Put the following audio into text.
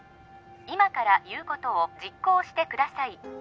今から言うことを実行してください